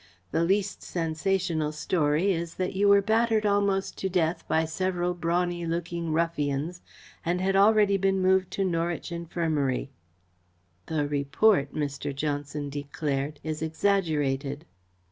The least sensational story is that you were battered almost to death by several brawny looking ruffians and had already been moved to Norwich Infirmary." "The report," Mr. Johnson declared, "is exaggerated."